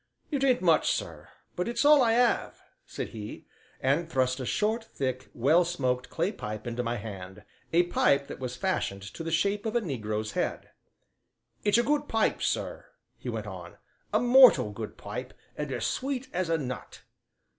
"It ain't much, sir, but it's all I 'ave," said he, and thrust a short, thick, well smoked clay pipe into my hand a pipe that was fashioned to the shape of a negro's head. "It's a good pipe, sir," he went on, "a mortal good pipe, and as sweet as a nut!"